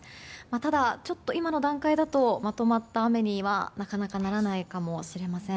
ただ、今の段階だとまとまった雨にはなかなかならないかもしれません。